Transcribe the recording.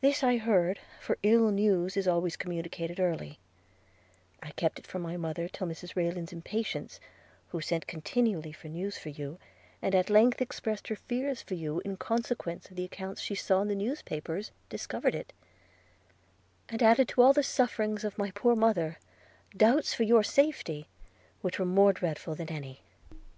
This I heard, for ill news is always communicated early; but I kept it from my mother till Mrs Rayland's impatience, who sent continually for news of you, and at length expressed her fears for you, in consequence of the accounts she saw in the newspapers, discovered it; and added to all the sufferings of my poor mother, doubts of your safety, which were more dreadful than any.